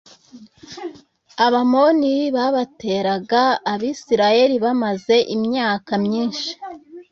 abamoni babateraga abisirayeli bamaze imyaka myinshi